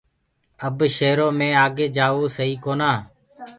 اب سيرو مي آگي جآوو سئي ڪونآ۔